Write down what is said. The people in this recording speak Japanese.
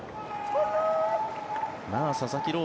佐々木朗